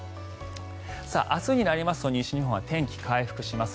明日になりますと西日本は天気回復します。